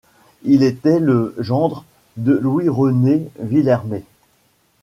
Il était le gendre de Louis René Villermé.